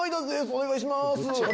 お願いしますぅ。